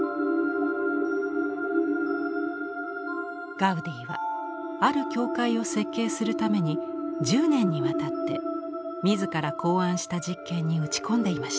ガウディはある教会を設計するために１０年にわたって自ら考案した実験に打ち込んでいました。